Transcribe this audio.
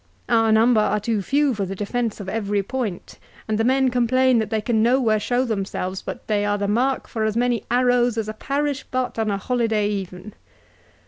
Our numbers are too few for the defence of every point, and the men complain that they can nowhere show themselves, but they are the mark for as many arrows as a parish butt on a holyday even.